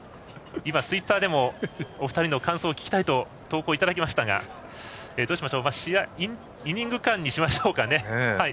今、ツイッターでもお二人の感想を聞きたいという投稿をいただきましたがどうしましょうイニング間にしましょうかね。